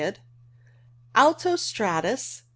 Alto stratus.